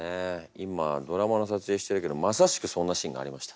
今ドラマのさつえいしてるけどまさしくそんなシーンがありました。